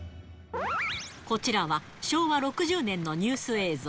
こちらは昭和６０年のニュース映像。